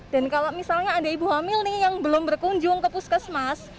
dan kalau misalnya ada ibu hamil nih yang belum berkunjung ke puskesmas